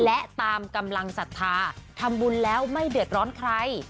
และตามกำลังศรัทธาทำบุญแล้วไม่เดือดร้อนใคร